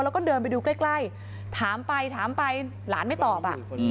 แล้วก็เดินไปดูใกล้ถามไปถามไปหลานไม่ตอบ